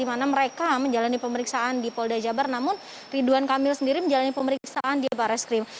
mereka menjalani pemeriksaan di polda jabar namun ridwan kamil sendiri menjalani pemeriksaan di barai skrim